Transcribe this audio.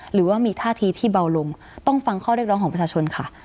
หรือว่ามีท่าทีที่เบาลงต้องฟังข้อเรียกร้องของประชาชนค่ะ